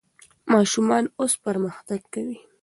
ماشومان اوس پرمختګ کوي.